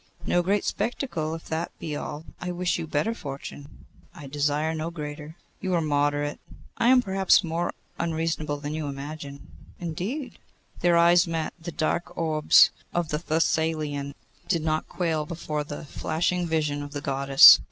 'No great spectacle. If that be all. I wish you better fortune.' 'I desire no greater.' 'You are moderate.' 'I am perhaps more unreasonable than you imagine.' 'Indeed!' Their eyes met; the dark orbs of the Thessalian did not quail before the flashing vision of the Goddess.